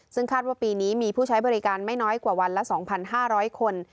ซึ่งคาดว่าปีนี้มีผู้ใช้บริการไม่น้อยกว่าวันละ๒๕๐๐คน